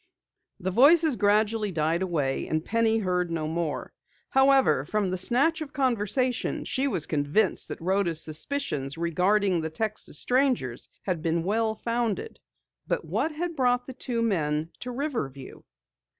The voices gradually died away and Penny heard no more. However, from the snatch of conversation, she was convinced that Rhoda's suspicions regarding the Texas strangers had been well founded. But what had brought the two men to Riverview?